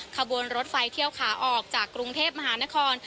ขบวนรถไฟเที่ยวขาออกจากกรุงเทพมหานคร